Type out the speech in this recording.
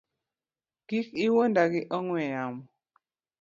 Kik iwuonda gi ong’we yamo